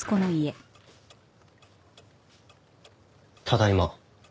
ただいま。